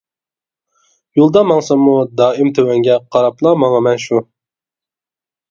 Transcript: يولدا ماڭساممۇ دائىم تۆۋەنگە قاراپلا ماڭىمەن شۇ.